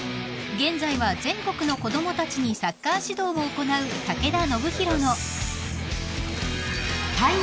［現在は全国の子供たちにサッカー指導を行う武田修宏の］